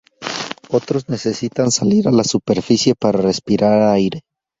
Otros necesitan salir a la superficie para respirar aire.